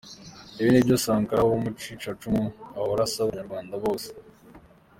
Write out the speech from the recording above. Ibi nibyo Sankara w’umucikacumu ahora asaba abanyarwanda bose.